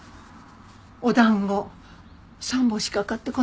お団子３本しか買ってこなかったのよ。